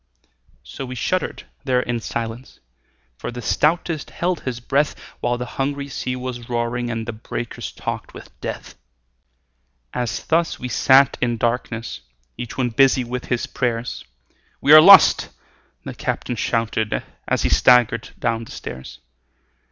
So we shuddered there in silence, For the stoutest held his breath, While the hungry sea was roaring And the breakers talked with death. As thus we sat in darkness Each one busy with his prayers, "We are lost!" the captain shouted, As he staggered down the stairs.